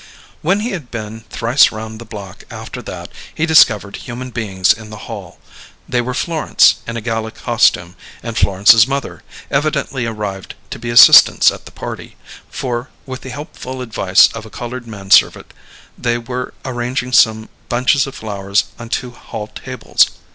When he had been thrice round the block after that, he discovered human beings in the hall; they were Florence, in a gala costume, and Florence's mother, evidently arrived to be assistants at the party, for, with the helpful advice of a coloured manservant, they were arranging some bunches of flowers on two hall tables.